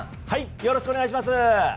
よろしくお願いします。